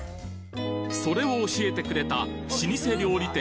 それを教えてくれた老舗料理店